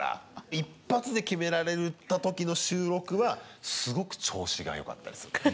一発で決められた時の収録はすごく調子がよかったりすんのよ。